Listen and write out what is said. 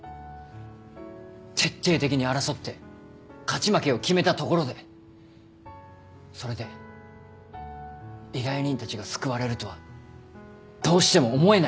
徹底的に争って勝ち負けを決めたところでそれで依頼人たちが救われるとはどうしても思えないんだ。